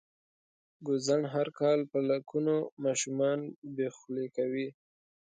ګوزڼ هر کال په لکونو ماشومان بې خولې کوي.